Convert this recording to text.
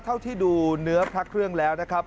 เท่าที่ดูเนื้อพระเครื่องแล้วนะครับ